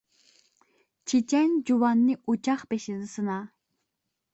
چېچەن جۇۋاننى ئوچاق بېشىدا سىنا.